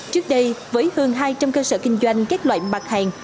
trước đây với hơn hai trăm linh cơ sở kinh doanh các loại mặt hàng